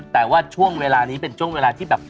แต่ว่าช่วงเวลานี้เป็นช่วงเวลาที่แบบ